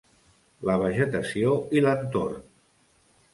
La vegetació i l'entorn.